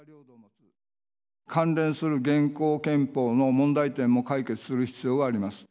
関連する現行憲法の問題点も解決する必要があります。